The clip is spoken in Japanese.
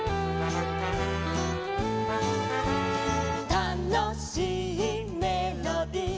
「たのしいメロディ」